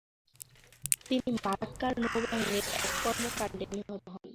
তিনি মালাক্কার নৌবাহিনীর এক কর্মকাণ্ডে নিহত হন।